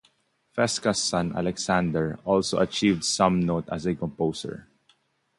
Fesca's son Alexander also achieved some note as a composer.